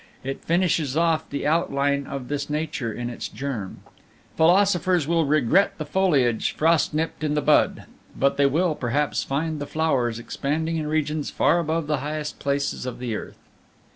It finishes off the outline of this nature in its germ. Philosophers will regret the foliage frost nipped in the bud; but they will, perhaps, find the flowers expanding in regions far above the highest places of the earth.